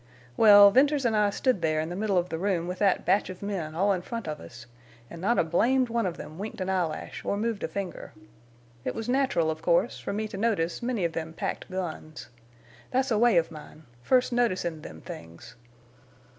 "Well, Venters an' I stood there in the middle of the room with that batch of men all in front of us, en' not a blamed one of them winked an eyelash or moved a finger. It was natural, of course, for me to notice many of them packed guns. That's a way of mine, first noticin' them things.